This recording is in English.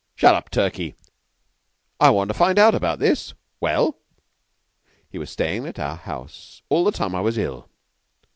"Shut up, Turkey. I want to find out about this. Well?" "He was stayin' at our house all the time I was ill."